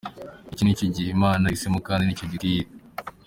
Iki nicyo gihe Imana yahisemo kandi nicyo gikwiye.